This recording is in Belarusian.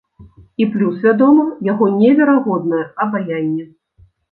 І плюс, вядома, яго неверагоднае абаянне.